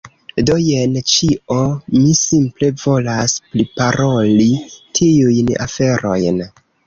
Do, jen ĉio, mi simple volas priparoli tiujn aferojn.